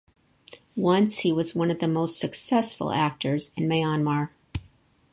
Once he was one of the most successful actors in Myanmar.